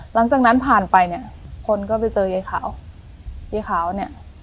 หลังจากนั้นผ่านไปเนี่ยคนก็ไปเจอยายขาวยายขาวเนี่ย